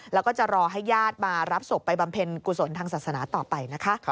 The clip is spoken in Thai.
แล้วก็จะรอให้ญาติมารับศพไปบำเพ็ญกุศลทางศาสนาต่อไปนะคะ